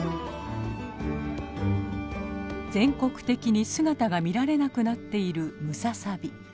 全国的に姿が見られなくなっているムササビ。